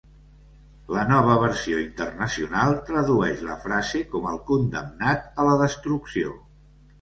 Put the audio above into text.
La nova versió internacional tradueix la frase com el condemnat a la destrucció.